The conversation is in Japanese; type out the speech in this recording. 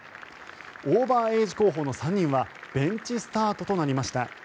オーバーエイジ候補の３人はベンチスタートとなりました。